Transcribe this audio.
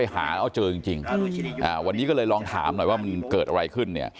หาแล้วเจอจริงวันนี้ก็เลยลองถามหน่อยว่ามันเกิดอะไรขึ้นเนี่ย